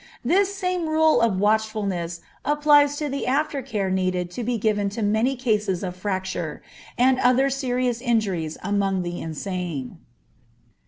This same rule of watchfulness applies to the after care needed to be given to many cases of fracture, and other serious injuries among the insane.